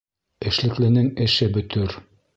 Эшлекленең эше бөтөр